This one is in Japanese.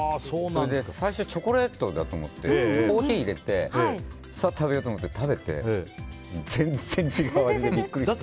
最初チョコレートだと思ってコーヒー入れてさあ、食べようと思って食べたら全然違う味でビックリして。